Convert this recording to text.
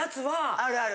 あるある。